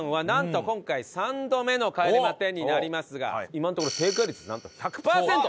今のところ正解率なんと１００パーセント。